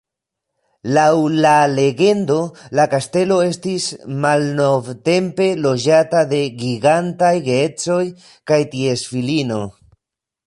Laŭ la legendo, la kastelo estis malnovtempe loĝata de gigantaj geedzoj kaj ties filino.